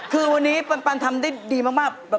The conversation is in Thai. คือวันนี้ปันทำได้ดีมาก